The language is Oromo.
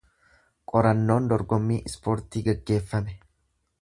Qorannoon dorgommii ispoortii gaggeeffame.